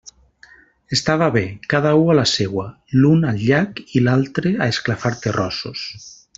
Estava bé; cada u a la seua: l'un al llac i l'altre a esclafar terrossos.